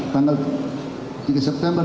tanggal tiga september dua ribu sembilan belas